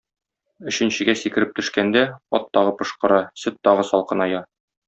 Өченчегә сикереп төшкәндә, ат тагы пошкыра, сөт тагы салкыная.